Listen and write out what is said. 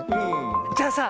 じゃあさ